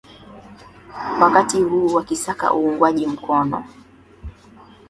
wakati huu wakisaka uungwaji mkono